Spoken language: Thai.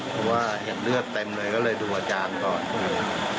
เพราะว่าเห็นเลือดเต็มเลยก็เลยดูอาจารย์ก่อนก็เลย